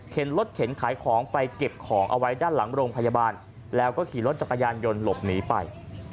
รถเข็นขายของไปเก็บของเอาไว้ด้านหลังโรงพยาบาลแล้วก็ขี่รถจักรยานยนต์หลบหนีไป